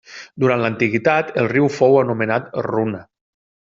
Durant l'antiguitat el riu fou anomenat Runa.